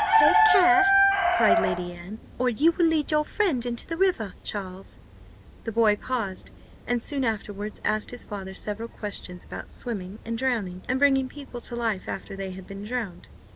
"Take care," cried Lady Anne, "or you will lead your friend into the river, Charles." The boy paused, and soon afterwards asked his father several questions about swimming and drowning, and bringing people to life after they had been drowned.